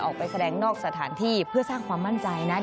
ออกไปแสดงนอกสถานที่เพื่อสร้างความมั่นใจนะ